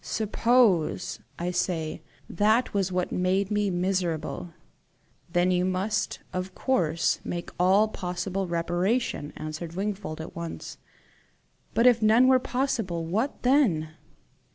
SUPPOSE, I say, that was what made me miserable!" "Then you must of course make all possible reparation," answered Wingfold at once. "But if none were possible what then?"